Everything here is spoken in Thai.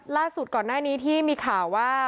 ล่าสุดก่อนหน้านี้ที่มีข่าวว่า